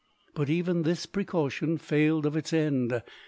But even this precaution failed of its end.